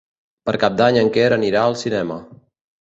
Per Cap d'Any en Quer anirà al cinema.